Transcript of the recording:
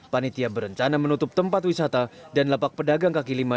panitia berencana menutup tempat wisata dan lapak pedagang kaki lima